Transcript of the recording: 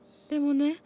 でもね